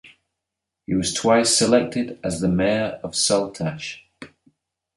He was twice selected as the Mayor of Saltash.